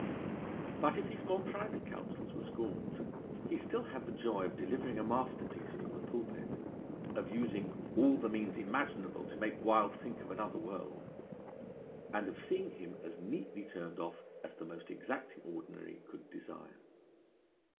But if his more private counsels were scorned, he still had the joy of delivering a masterpiece from the pulpit, of using 'all the means imaginable to make Wild think of another world,' and of seeing him as neatly turned off as the most exacting Ordinary could desire.